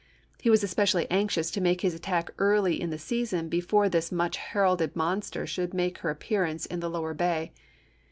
He was especially anxious to make his attack early in the season before this much heralded MOBILE BAY 227 monster should make her appearance in the lower chap. x. bay.